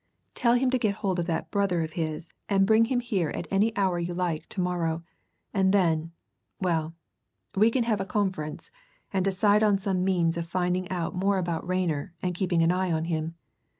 Tell him to get hold of that brother of his and bring him here at any hour you like to morrow, and then well, we can have a conference, and decide on some means of finding out more about Rayner and keeping an eye on him.